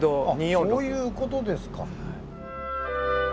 あそういうことですか。